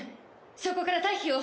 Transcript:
そこから退避を。